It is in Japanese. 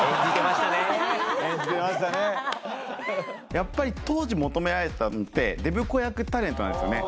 やっぱり当時求められたものってデブ子役タレントなんですよね。